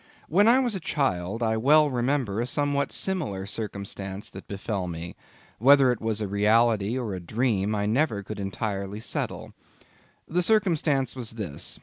When I was a child, I well remember a somewhat similar circumstance that befell me; whether it was a reality or a dream, I never could entirely settle. The circumstance was this.